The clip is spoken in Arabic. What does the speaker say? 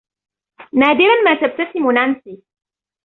نادراً ما تبتسم نانسي.